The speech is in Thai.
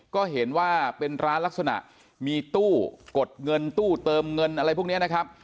ก็เห็นว่าเป็นร้านลักษณะมีตู้กดเงินตู้เติมเงินอะไรพวกนี้นะครับ